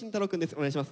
お願いします。